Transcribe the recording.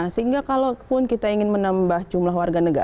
sehingga kalaupun kita ingin menambah jumlah warga negara